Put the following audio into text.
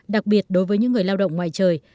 đặc biệt đối với những người lao động ngoài trời